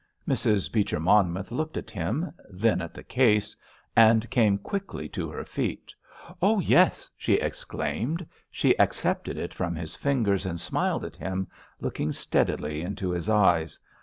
Mrs. Beecher Monmouth looked at him, then at the case, and came quickly to her feet. "Oh, yes," she exclaimed. She accepted it from his fingers and smiled at him, looking steadily into his eyes.